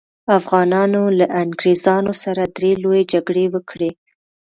افغانانو له انګریزانو سره درې لويې جګړې وکړې.